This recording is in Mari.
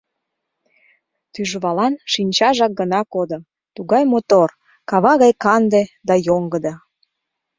Тӱжвалан шинчажак гына кодо: тугай мотор, кава гай канде да йоҥгыдо.